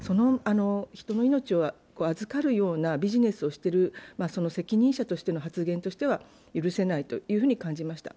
人の命を預かるようなビジネスをしている責任者としての発言としては、私は許せないと感じました。